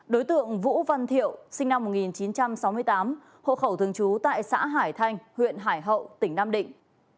đối tượng vũ văn thiệu sinh năm một nghìn chín trăm sáu mươi tám hộ khẩu thường trú tại xã hải thanh huyện hải hậu tỉnh nam định